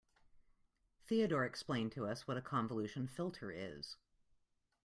Theodore explained to us what a convolution filter is.